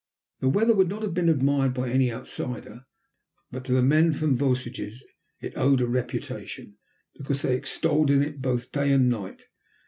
The weather would not have been admired by any outsider. But to the men from the Vosges it owed a reputation, because they extolled it both day and night.